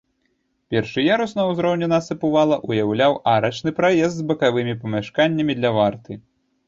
Першы ярус, на ўзроўні насыпу вала, уяўляў арачны праезд з бакавымі памяшканнямі для варты.